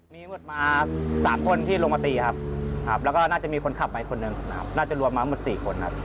มีหมดมา๓คนที่ลงประตีครับแล้วก็น่าจะมีคนขับมาอีกคนหนึ่งน่าจะรวมมาหมด๔คนครับ